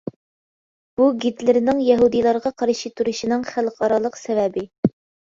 بۇ، گىتلېرنىڭ يەھۇدىيلارغا قارشى تۇرۇشىنىڭ خەلقئارالىق سەۋەبى.